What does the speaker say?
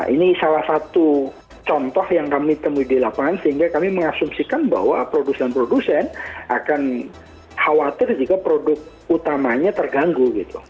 ini salah satu contoh yang kami temui di lapangan sehingga kami mengasumsikan bahwa produsen produsen akan khawatir jika produk utamanya terganggu gitu